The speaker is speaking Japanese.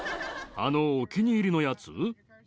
あのお気に入りのやつ？